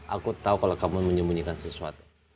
aku tahu kalau kamu menyembunyikan sesuatu